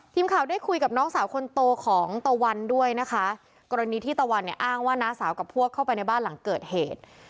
ทีมข่าวได้คุยกับน้องสาวคนโตของตะวันด้วยนะคะกรณีที่ตะวันเนี่ยอ้างว่าน้าสาวกับพวกเข้าไปในบ้านหลังเกิดเหตุ